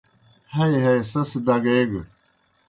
ہئی ہئی سیْس ڈگیگہ۔